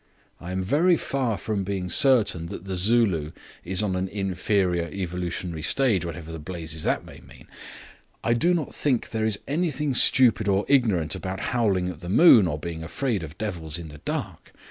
I am very far from being certain that the Zulu is on an inferior evolutionary stage, whatever the blazes that may mean. I do not think there is anything stupid or ignorant about howling at the moon or being afraid of devils in the dark.